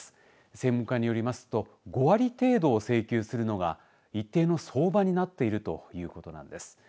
専門家によりますと５割程度を請求するのが一定の相場になっているということなんです。